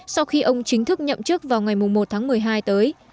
sau khi ông chính thức nhậm chức vào ngày một tháng một mươi hai tới